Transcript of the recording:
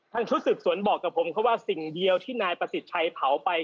ชุดสืบสวนบอกกับผมเขาว่าสิ่งเดียวที่นายประสิทธิ์ชัยเผาไป